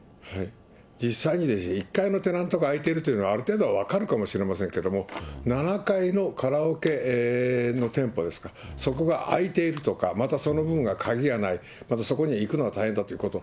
実際に１階のテナントが開いているというのは、ある程度は分かるかもしれませんけれども、７階のカラオケの店舗ですか、そこが空いているとか、またその部分は鍵がない、またそこにいくのが大変だということ。